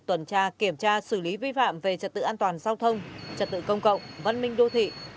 tuần tra kiểm tra xử lý vi phạm về trật tự an toàn giao thông trật tự công cộng văn minh đô thị